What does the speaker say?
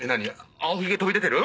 青ひげ飛び出てる？